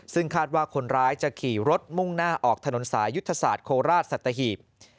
ซึ่งคาดว่าคนร้ายจะขี่รถมุ่งหน้าออกถนนสายยุทธศาสตร์โคราชสัตหีบ